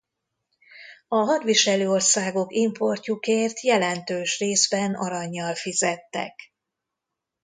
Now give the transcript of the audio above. A hadviselő országok importjukért jelentős részben arannyal fizettek.